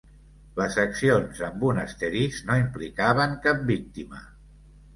Les accions amb un asterisc no implicaven cap víctima.